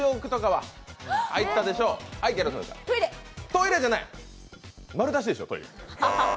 トイレじゃない、丸出しでしょ。